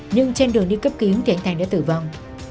nhưng trên đường đi cấp kiếm thì anh thanh đã tử vong